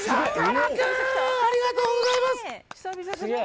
ありがとうございます！